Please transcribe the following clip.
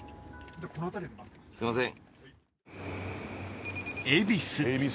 すいません。